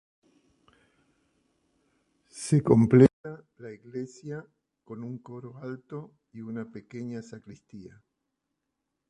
Se completa la iglesia con un coro alto y una pequeña sacristía.